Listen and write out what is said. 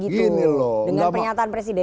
dengan pernyataan presiden